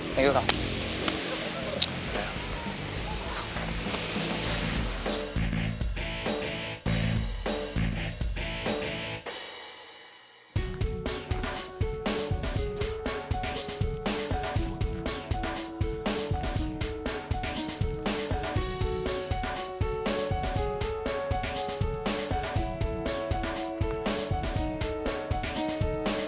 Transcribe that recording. thank you kak